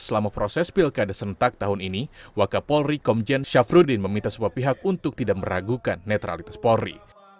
selama proses pilkada serentak tahun ini wakapolri komjen syafruddin meminta semua pihak untuk tidak meragukan netralitas polri